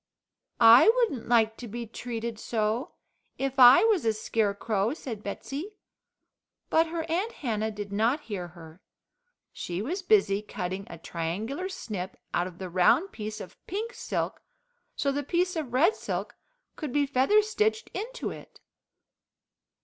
"I wouldn't like to be treated so, if I was a Scarecrow," said Betsey, but her Aunt Hannah did not hear her. She was busy cutting a triangular snip out of the round piece of pink silk so the piece of red silk could be feather stitched into it.